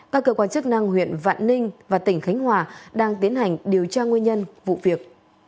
các cơ quan chức năng huyện vạn ninh và tỉnh khánh hòa đang tiến hành điều tra nguyên nhân vụ việc